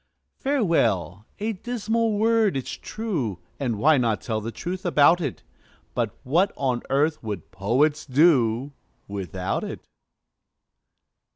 "Farewell!" A dismal word, 'tis true (And why not tell the truth about it!); But what on earth would poets do Without it?